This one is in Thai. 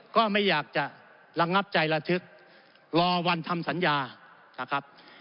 ก็ไม่อยากจะระงับใจระทึกรอวันทำสัญญานะครับ